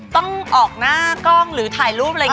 ต้องออกหน้ากล้องหรือถ่ายรูป